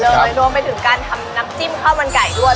และเริ่มมารวมไปถึงการทำน้ำจิ้มข้าวมันไก่ด้วย